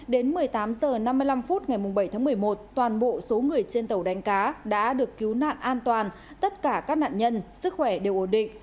đến một mươi tám h năm mươi năm phút ngày bảy tháng một mươi một toàn bộ số người trên tàu đánh cá đã được cứu nạn an toàn tất cả các nạn nhân sức khỏe đều ổn định